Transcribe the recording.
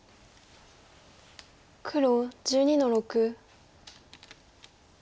黒１２の六。